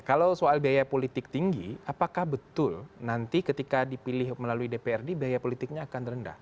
kalau soal biaya politik tinggi apakah betul nanti ketika dipilih melalui dprd biaya politiknya akan rendah